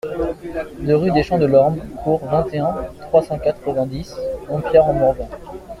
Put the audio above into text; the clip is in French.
deux rue des Champs de Lormes (Cour, vingt et un, trois cent quatre-vingt-dix, Dompierre-en-Morvan